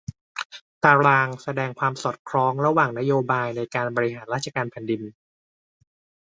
ตารางแสดงความสอดคล้องระหว่างนโยบายในการบริหารราชการแผ่นดิน